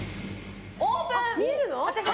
オープン！